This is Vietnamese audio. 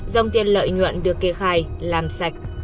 dòng tiền lợi nhuận được kê khai làm sạch